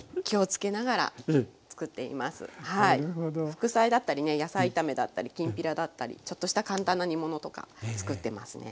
副菜だったりね野菜炒めだったりきんぴらだったりちょっとした簡単な煮物とか作ってますね。